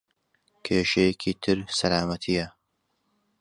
کێشەیەکی تر سەلامەتییە.